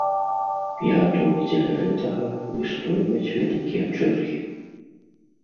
І гатовы дзеля гэтага выстойваць вялікія чэргі.